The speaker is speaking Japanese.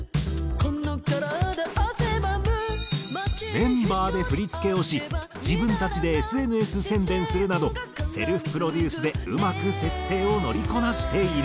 メンバーで振り付けをし自分たちでＳＮＳ宣伝するなどセルフプロデュースでうまく設定を乗りこなしている。